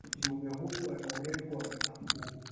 kiumbe huyu ana urefu wa mita kumi